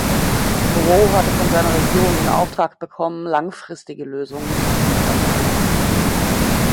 Moreau hatte von seiner Regierung den Auftrag bekommen, langfristige Lösungen zu vermeiden.